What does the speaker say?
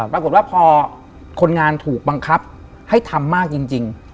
ปรากฏว่าพอคนงานถูกบังคับให้ทำมากจริง